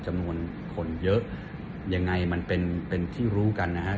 จำนวนคนเยอะยังไงมันเป็นเป็นที่รู้กันนะฮะ